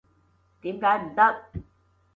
點解唔得？